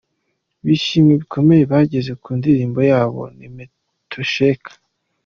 Bishimiwe bikomeye bageze ku ndirimbo yabo Nimetosheka.